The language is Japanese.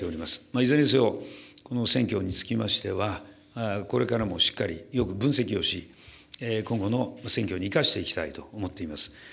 いずれにせよ、この選挙につきましては、これからもしっかりえよく分析をし、今後の選挙に生かしていきたいと思っています。